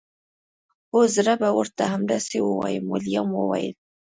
هو زه به ورته همداسې ووایم ویلما وویل